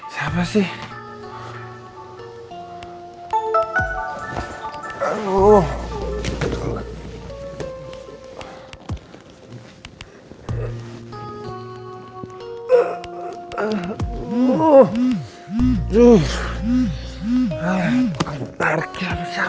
siapa sih gak teman